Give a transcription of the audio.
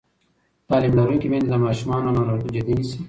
تعلیم لرونکې میندې د ماشومانو ناروغي جدي نیسي.